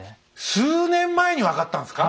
数年前に分かったんすか？